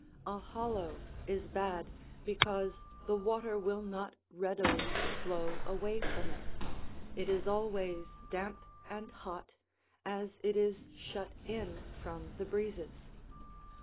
A hollow is bad, because the water will not readily flow away from it; it is always damp and hot, as it is shut in from the breezes.